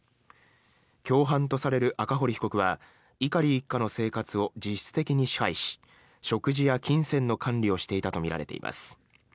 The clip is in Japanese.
共犯とされる赤堀被告は碇一家の生活を実質的に支配し食事や金銭の管理をしていたとみられています。